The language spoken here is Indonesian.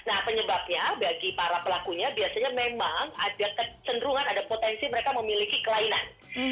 nah penyebabnya bagi para pelakunya biasanya memang ada kecenderungan ada potensi mereka memiliki kelainan